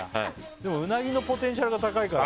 でも、うなぎのポテンシャルが高いから。